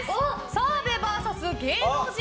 澤部ＶＳ芸能人